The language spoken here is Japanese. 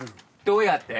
どうやって？